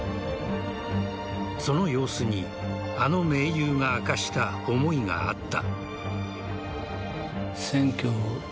その様子にあの盟友が明かした思いがあった。